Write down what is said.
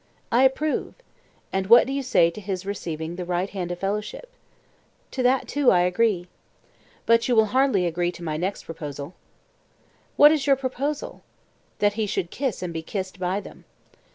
I approve. And what do you say to his receiving the right hand of fellowship? To that too, I agree. But you will hardly agree to my next proposal. What is your proposal? That he should kiss and be kissed by them.